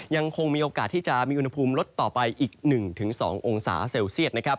ยังคงมีโอกาสที่จะมีอุณหภูมิลดต่อไปอีก๑๒องศาเซลเซียตนะครับ